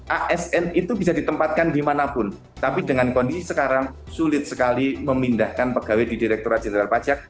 asn itu bisa ditempatkan dimanapun tapi dengan kondisi sekarang sulit sekali memindahkan pegawai di direkturat jenderal pajak